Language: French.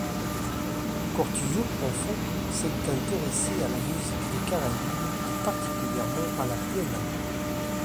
Cortijo, enfant, s'est intéressé à la musique des Caraïbes, et particulièrement à la plena.